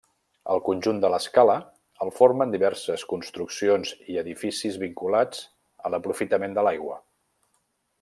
El conjunt de l'Escala el formen diverses construccions i edificis vinculats a l'aprofitament de l'aigua.